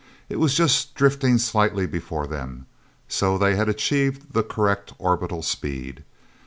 It was just drifting slightly before them. So they had achieved the correct orbital speed.